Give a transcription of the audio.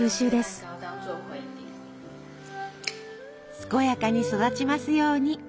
健やかに育ちますように。